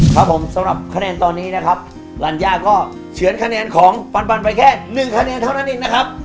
ครับผมสำหรับคะแนนตอนนี้นะครับรัญญาก็เฉือนคะแนนของปันไปแค่หนึ่งคะแนนเท่านั้นเองนะครับ